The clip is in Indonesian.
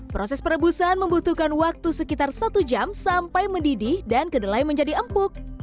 proses perebusan membutuhkan waktu sekitar satu jam sampai mendidih dan kedelai menjadi empuk